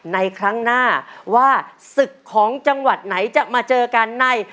ในครั้งหน้าว่าศึกของจังหวัดไหนจะมาเจอกันใน